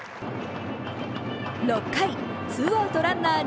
６回２アウトランナー